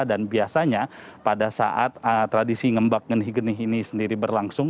dan biasanya pada saat tradisi ngembak genih genih ini sendiri berlangsung